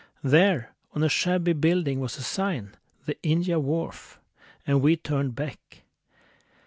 There on a shabby building was a sign "The India Wharf "... and we turned back.